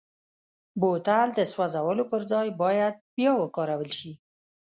بوتل د سوزولو پر ځای باید بیا وکارول شي.